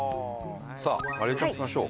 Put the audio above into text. さあまりえちゃんいきましょう。